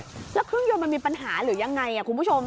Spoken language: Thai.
แล้วเครื่องยนต์มันมีปัญหาหรือยังไงคุณผู้ชม